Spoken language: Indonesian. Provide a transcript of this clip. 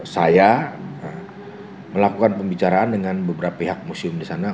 saya melakukan pembicaraan dengan beberapa pihak museum di sana